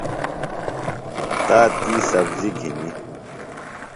تاتی سبزیۡ گِھنیۡ۔